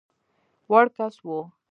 وړ کس وو.